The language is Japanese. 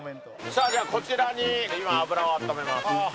さあじゃあこちらに今油を温めます。